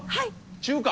中華？